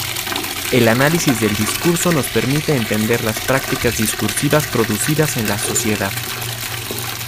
El análisis del discurso nos permite entender las prácticas discursivas producidas en la sociedad.